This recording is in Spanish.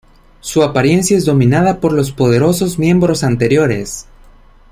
Su apariencia es dominada por los poderosos miembros anteriores.